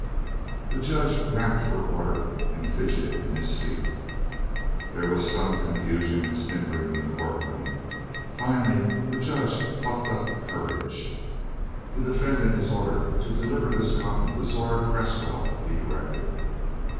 The Judge rapped for order and fidgeted in his seat. There was some confusion and snickering in the courtroom. Finally the Judge plucked up courage: "The defendant is ordered to deliver this cotton to Zora Cresswell," he directed.